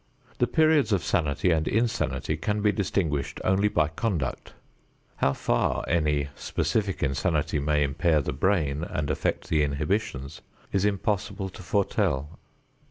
The periods of sanity and insanity can be distinguished only by conduct. How far any specific insanity may impair the brain and affect the inhibitions, is impossible to foretell.